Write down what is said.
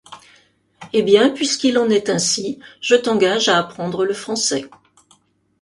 Eh bien! puisqu’il en est ainsi, je t’engage à apprendre le français !